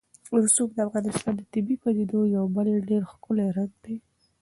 رسوب د افغانستان د طبیعي پدیدو یو بل ډېر ښکلی رنګ دی.